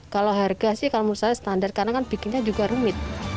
kalau harga sih kalau menurut saya standar karena kan bikinnya juga rumit